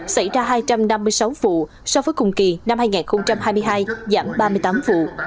xảy ra hai trăm năm mươi sáu vụ so với cùng kỳ năm hai nghìn hai mươi hai giảm ba mươi tám vụ